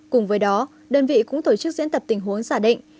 cùng với đó đơn vị cũng tổ chức diễn tập tình huống giả định